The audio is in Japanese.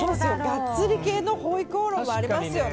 ガッツリ系の回鍋肉もありますよね。